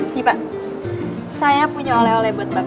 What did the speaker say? ini pak saya punya oleh oleh buat bapak